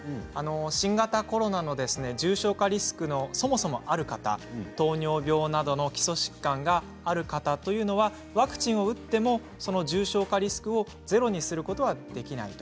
新型コロナの重症化リスクのそもそもある方、糖尿病などの基礎疾患がある方というのはワクチンを打ってもその重症化リスクをゼロにすることはできないと。